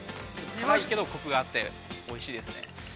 辛いけど、コクがあって、おいしいですね。